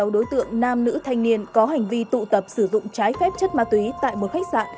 sáu đối tượng nam nữ thanh niên có hành vi tụ tập sử dụng trái phép chất ma túy tại một khách sạn